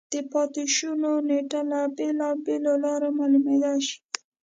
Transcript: د پاتې شونو نېټه له بېلابېلو لارو معلومېدای شي.